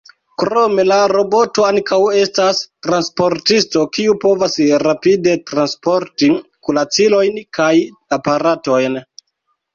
Krome, la roboto ankaŭ estas "transportisto", kiu povas rapide transporti kuracilojn kaj aparatojn.